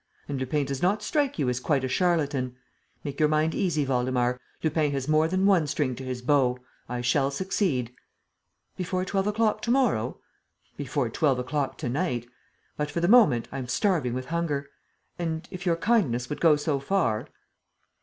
And Lupin does not strike you as quite a charlatan? Make your mind easy, Waldemar: Lupin has more than one string to his bow. I shall succeed." "Before twelve o'clock to morrow?" "Before twelve o'clock to night. But, for the moment, I am starving with hunger. And, if your kindness would go so far.